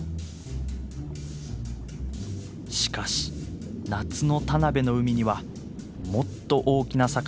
しかし夏の田辺の海にはもっと大きな魚が現れるんです。